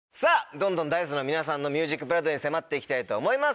どんどん Ｄａ−ｉＣＥ の皆さんの ＭＵＳＩＣＢＬＯＯＤ に迫って行きたいと思います